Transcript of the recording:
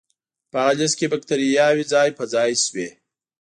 په هغه لست کې بکتریاوې ځای په ځای شوې.